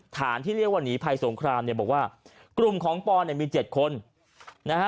ที่เรียกว่าหนีภัยสงครามเนี่ยบอกว่ากลุ่มของปอนเนี่ยมี๗คนนะฮะ